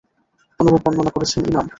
অনুরূপ বর্ণনা করেছেন ইমাম।